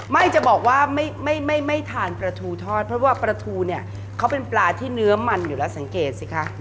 ไม่จะบอกว่าไม่ทานปลาทูทอดเพราะว่าปลาทูเนี่ยเขาเป็นปลาที่เนื้อมันอยู่แล้วสังเกตสิคะ